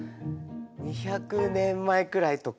２００年前くらいとか？